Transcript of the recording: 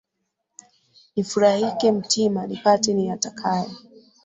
Nifurahike mtima, nipate niyatakayo.